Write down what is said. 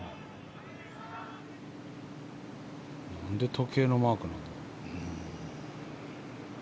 なんで時計のマークなんだろう。